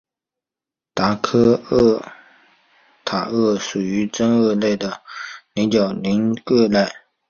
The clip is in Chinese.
达科塔鳄属于中真鳄类的棱角鳞鳄科。